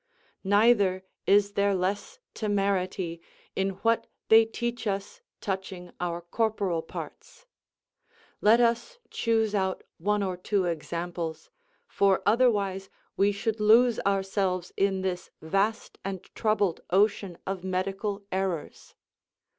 Neither is there less temerity in what they teach us touching our corporal parts. Let us choose out one or two examples; for otherwise we should lose ourselves in this vast and troubled ocean of medical errors.